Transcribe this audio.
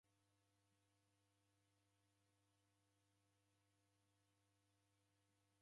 W'andu w'ekundikia w'iw'adane kwa kubonya malagho gha maana.